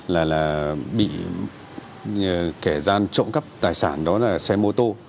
là bị kẻ gian trộm cắp tài sản đó là xe mô tô